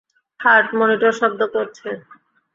Heart monitor শব্দ করছে!